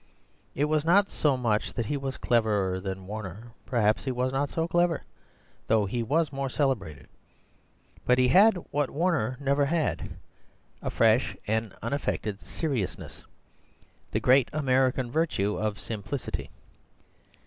It was not so much that he was cleverer than Warner; perhaps he was not so clever, though he was more celebrated. But he had what Warner never had, a fresh and unaffected seriousness— the great American virtue of simplicity.